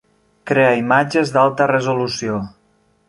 Crea imatges d'alta resolució.